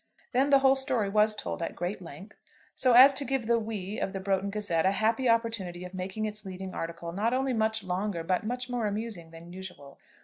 Then the whole story was told at great length, so as to give the "we" of the 'Broughton Gazette' a happy opportunity of making its leading article not only much longer, but much more amusing, than usual.